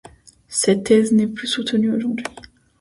Cette thèse n'est plus soutenue aujourd'hui.